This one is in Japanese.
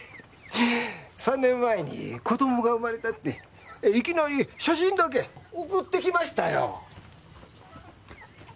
３年前に子供が生まれたっていきなり写真だけ送ってきましたよ。